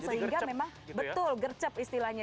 sehingga memang betul gercep istilahnya